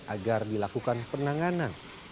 agar dilakukan penanganan